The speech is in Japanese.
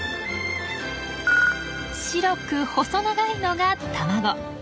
白く細長いのが卵。